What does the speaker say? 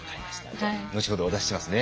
じゃあ後ほどお出ししますね。